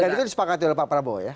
dan itu disepakati oleh pak prabowo ya